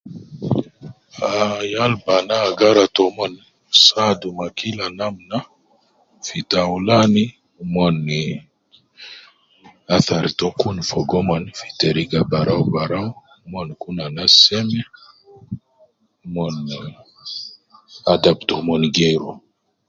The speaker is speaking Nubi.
Ah yal bana agara tomon saadu ma kila namna fi taulani mon geeru, athar to kun fogo omon fi teriga baraubarau ,mon kun anas seme mon adab tomon geeru